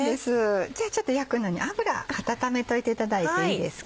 じゃあちょっと焼くのに油温めといていただいていいですか？